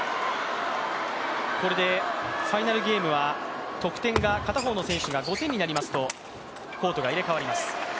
これでファイナルゲームが得点が片方の選手が５点になりますとコートが入れ代わります。